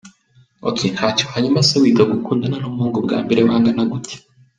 Ok, ntacyo! Hanyuma se wiga gukundana numuhungu bwa mbere wanganaga ute?.